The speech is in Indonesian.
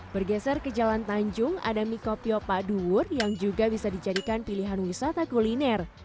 bergeser ke jalan tanjung ada mie kopio pak duwur yang juga bisa dijadikan pilihan wisata kuliner